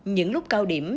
những lúc cao điểm